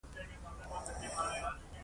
دا ځل نو اغه لوی ريسک واخېست.